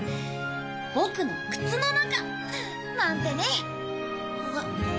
僕の靴の中なんてね。